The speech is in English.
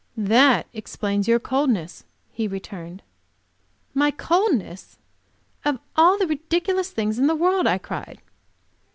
"That explains your coldness," he returned. "My coldness! Of all the ridiculous things in the world!" I cried.